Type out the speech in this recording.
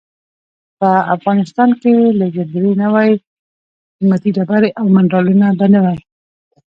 په افغنستان کې که زلزلې نه وای قیمتي ډبرې او منرالونه به نه وای.